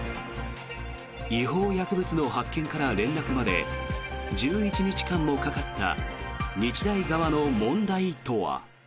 違法薬物の発見から連絡まで１１日間もかかった日大側の問題とは。